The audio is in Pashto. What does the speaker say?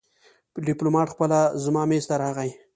ډيپلومات خپله زما مېز ته راغی.